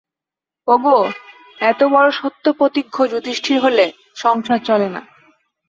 ওগো, এতবড় সত্যপ্রতিজ্ঞ যুধিষ্ঠির হলে সংসার চলে না।